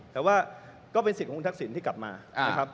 แต่ว่าก็เป็นสิทธิ์ของคุณทักษิณที่กลับมานะครับ